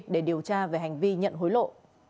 để điều tra về hành vi nhận hối lộ